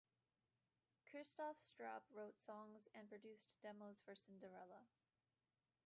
Christof Straub wrote songs and produced demos for Cinderella.